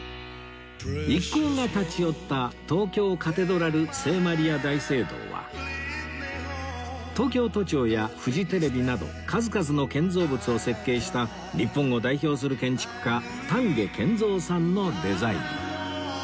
一行が立ち寄った東京カテドラル聖マリア大聖堂は東京都庁やフジテレビなど数々の建造物を設計した日本を代表する建築家丹下健三さんのデザイン